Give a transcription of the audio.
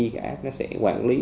cái app nó sẽ quản lý